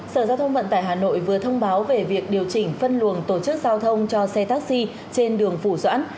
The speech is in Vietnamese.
sở giao thông vận tải hà nội vừa thông báo về việc điều chỉnh phân luồng tổ chức giao thông cho xe taxi trên đường phủ doãn